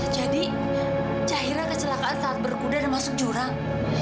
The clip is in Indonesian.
jadi cahira kecelakaan saat berkuda dan masuk jurang